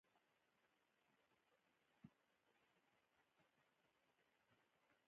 د افغانستان په منظره کې ځمکنی شکل په ډېر ښکاره ډول دی.